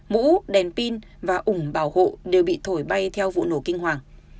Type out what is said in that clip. mũ đèn pin và ủng bảo hộ đều bị thổi bay theo vụ nổ kinh hoàng